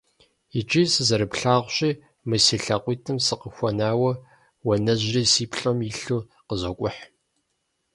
Иджы сыкъызэрыплъагъущи мы си лъакъуитӀым сыкъыхуэнауэ, уанэжьри си плӀэм илъу къызокӀухь.